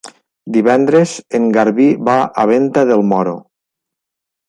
Divendres en Garbí va a Venta del Moro.